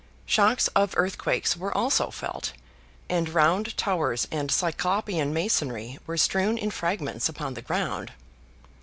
Shocks of earthquake were also felt, and round towers and cyclopean masonry were strewn in fragments upon the ground.